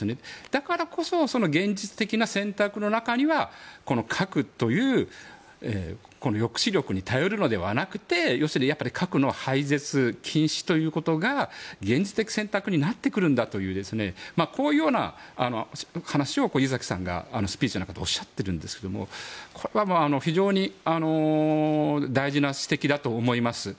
だからこそその現実的な選択の中にはこの核という抑止力に頼るのではなくて要するに核の廃絶、禁止ということが現実的選択になってくるんだというこういうような話を湯崎さんがスピーチの中でおっしゃっているんですがこれは非常に大事な指摘だと思います。